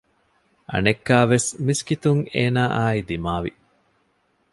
އަނެއްކާވެސް މިސްކިތުން އޭނާއާއި ދިމާވި